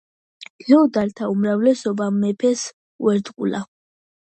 ფეოდალთა უმრავლესობამ მეფეს უერთგულა.